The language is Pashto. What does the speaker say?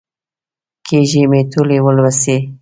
کېږې مې ټولې ولوسلې.